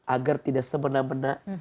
agar tidak semena mena